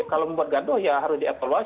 kalau membuat gaduh ya harus di appel